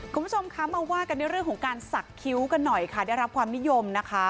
คุณผู้ชมคะมาว่ากันด้วยเรื่องของการสักคิ้วกันหน่อยค่ะได้รับความนิยมนะคะ